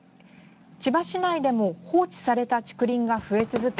千葉市内でも放置された竹林が増え続け